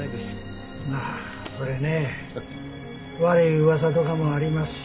ああそれね悪い噂とかもありますし。